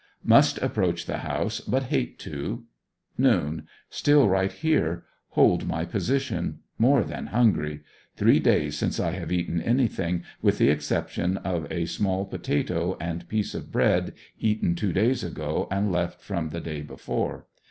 Must approach the house, but hate to. Noon. Still right here. Hold my position. More than hungry. Three days since I have eaten anything, with the exception of a small pototoe and piece of bread eaten two days ago and left from the day before.